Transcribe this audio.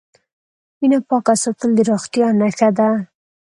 وینه پاکه ساتل د روغتیا نښه ده.